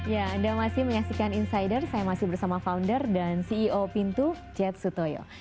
ya anda masih menyaksikan insiders saya masih bersama founder dan ceo pintu jeth suttoyo